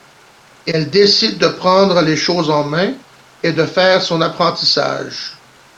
Elle décide de prendre les choses en mains et de faire son apprentissage.